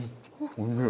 おいしい！